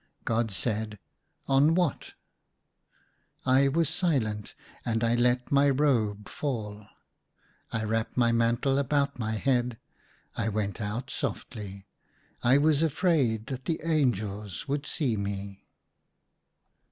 God said, " On what ?" I was silent, and I let my robe fall. I wrapped my mantle about my head. I went out softly. I was afraid that the angels would see me.